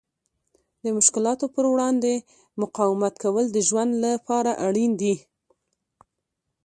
د مشکلاتو په وړاندې مقاومت کول د ژوند لپاره اړین دي.